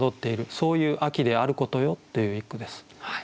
そういう秋であることよという一句です。